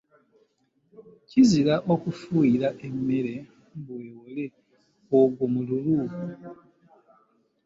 Kizira okufuuyirira emmere mbu ewole, ogwo mululu.